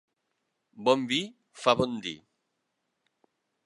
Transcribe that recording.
Bon vi fa bon dir.